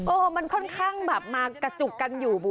มันค่อนข้างแบบมากระจุกกันอยู่